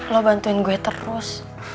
lo bantuin gue terus